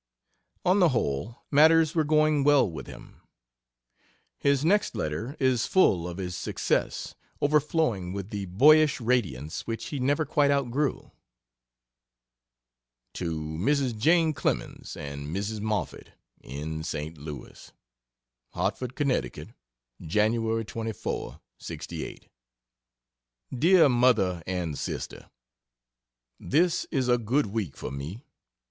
On the whole, matters were going well with him. His next letter is full of his success overflowing with the boyish radiance which he never quite outgrew. To Mrs. Jane Clemens and Mrs. Moffett, in St. Louis: HARTFORD, CONN. Jan. 24 68. DEAR MOTHER AND SISTER, This is a good week for me.